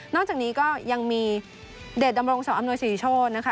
นอกจากนี้ก็ยังมีเดชน์ดำรงสวรรค์อำนวยศรีโชธ